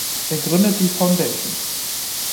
Er gründet die Foundation.